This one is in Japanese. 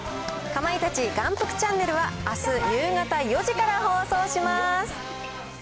かまいたち眼福チャンネルはあす夕方４時から放送します。